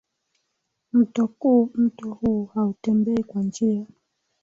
mto kuu Mto huu hautembei kwa njia